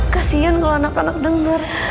kasian kalau anak anak dengar